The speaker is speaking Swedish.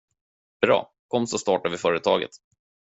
Bra, kom så startar vi företaget.